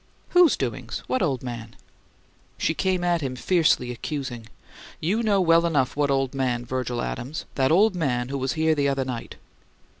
"Whose doings? What old man?" She came at him, fiercely accusing. "You know well enough what old man, Virgil Adams! That old man who was here the other night."